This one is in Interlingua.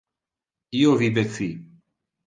Io vive ci.